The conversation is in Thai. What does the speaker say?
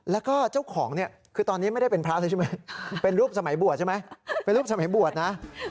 แล้วก็เจ้าของเนี่ยคือตอนนี้ไม่ได้เป็นพระแล้วใช่ไหมเป็นรูปสมัยบวชใช่ไหมเป็นรูปสมัยบวชนะ